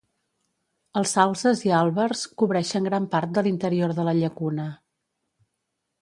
Els salzes i àlbers cobreixen gran part de l'interior de la llacuna.